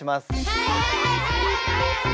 はい！